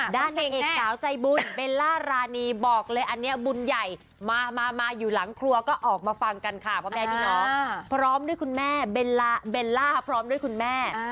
นางเอกสาวใจบุญเบลล่ารานีบอกเลยอันนี้บุญใหญ่มามาอยู่หลังครัวก็ออกมาฟังกันค่ะพ่อแม่พี่น้องพร้อมด้วยคุณแม่เบลล่าพร้อมด้วยคุณแม่